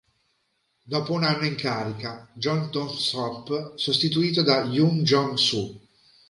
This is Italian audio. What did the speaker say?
Dopo un anno in carica, Jo Tong-sop, sostituito da Yun Jong-su.